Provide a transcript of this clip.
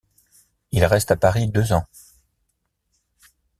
Il reste à Paris deux ans.